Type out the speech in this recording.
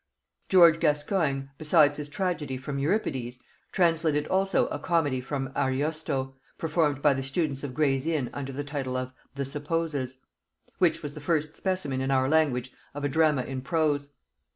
George Gascoigne, besides his tragedy from Euripides, translated also a comedy from Ariosto, performed by the students of Gray's Inn under the title of The Supposes; which was the first specimen in our language of a drama in prose.